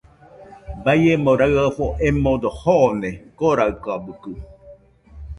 Baiemo raɨafo emodo joone Koraɨkabɨkɨ